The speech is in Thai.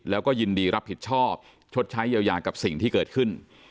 แล้วก็ยินดีรับผิดชอบชดใช้เยียวยากับสิ่งที่เกิดขึ้น